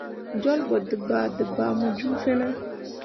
Jolɓo dǝbaadǝbaa mu ju fine.